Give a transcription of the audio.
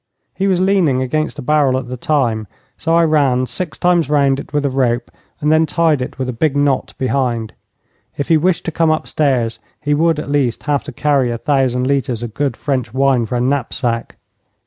He was leaning against a barrel at the time, so I ran six times round it with a rope, and then tied it with a big knot behind. If he wished to come upstairs he would, at least, have to carry a thousand litres of good French wine for a knapsack.